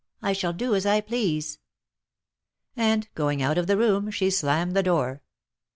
I shall do as I please !" And going out of the room, she slammed the door.